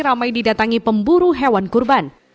ramai didatangi pemburu hewan kurban